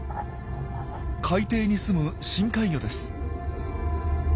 海底に住む深海魚です。